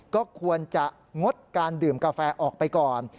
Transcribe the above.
ก็ควรจะงดการดื่มกาแฟออกไปก่อน